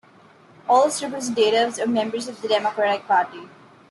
All its representatives are members of the Democratic Party.